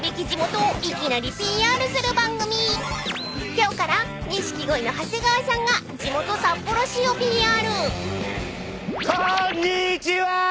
［今日から錦鯉の長谷川さんが地元札幌市をＰＲ］